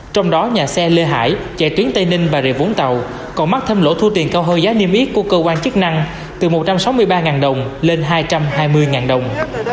trong đó nhà xe lê hải chạy tuyến tây ninh bà rịa vũng tàu còn mắc thêm lỗ thu tiền cao hơn giá niêm yết của cơ quan chức năng từ một trăm sáu mươi ba đồng lên hai trăm hai mươi đồng